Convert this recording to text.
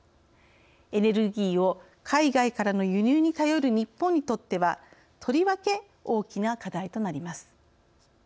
エネルギーを海外からの輸入に頼る日本にとってはとりわけ、大きな課題となります。